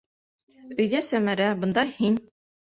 Өйҙә - Сәмәрә, бында - һин.